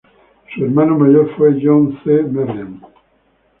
Su hermano mayor fue John C. Merriam.